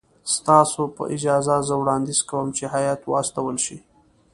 ستاسو په اجازه زه وړاندیز کوم چې هیات واستول شي.